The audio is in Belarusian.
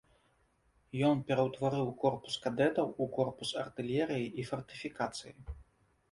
Ён пераўтварыў корпус кадэтаў у корпус артылерыі і фартыфікацыі.